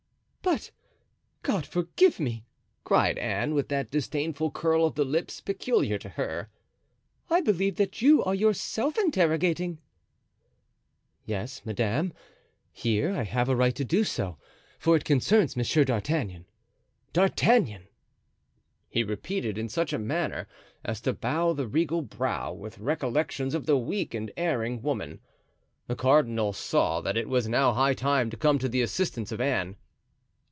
"But, God forgive me!" cried Anne, with that disdainful curl of the lips peculiar to her, "I believe that you are yourself interrogating." "Yes, madame, here I have a right to do so, for it concerns Monsieur d'Artagnan— d'Artagnan," he repeated, in such a manner as to bow the regal brow with recollections of the weak and erring woman. The cardinal saw that it was now high time to come to the assistance of Anne.